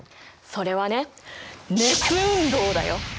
それはね「熱運動」だよ！